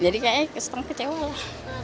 jadi kayaknya kesetengah kecewa lah